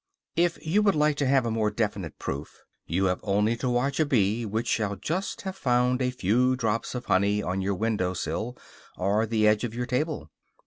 If you would like to have a more definite proof, you have only to watch a bee which shall just have found a few drops of honey on your window sill or the edge of your table.